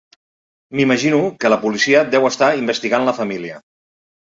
M'imagino que la policia deu estar investigant la família.